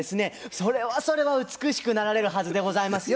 それはそれは美しくなられるはずでございますよ